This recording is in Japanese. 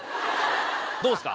どうっすか？